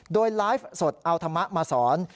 โดยไลฟ์สดเอาธรรมะมาสอน